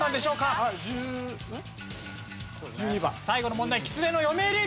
最後の問題。